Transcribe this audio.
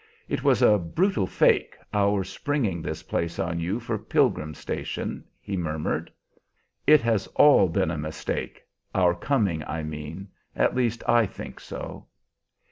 "It was a brutal fake, our springing this place on you for Pilgrim Station," he murmured. "It has all been a mistake, our coming, I mean; at least I think so."